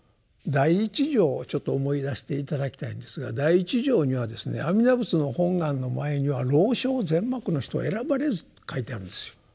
第一条を思い出して頂きたいんですが第一条にはですね阿弥陀仏の本願の前には「老少善悪の人をえらばれず」と書いてあるんですよ。